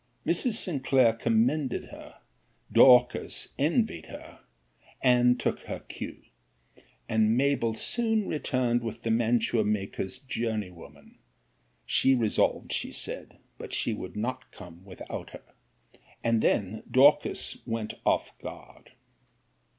'Mrs. Sinclair commended her; Dorcas envied her, and took her cue: and Mabell soon returned with the mantua maker's journey woman; (she resolved, she said, but she would not come without her); and then Dorcas went off guard.